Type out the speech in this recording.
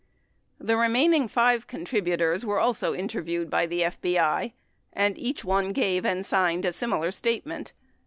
28 The remaining five contributors were also interviewed by the FBI, and each gave and signed a similar statement.